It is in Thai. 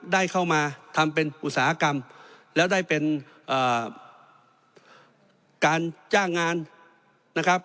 ได้เข้ามาทำเป็นอุตสาหกรรมแล้วได้เป็นการจ้างงานนะครับ